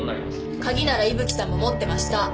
鍵なら伊吹さんも持ってました。